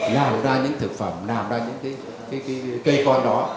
làm ra những thực phẩm làm ra những cái cây con đó